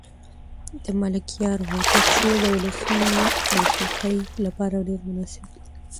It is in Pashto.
د ملکیار هوتک شعر د ولسي موسیقۍ لپاره ډېر مناسب دی.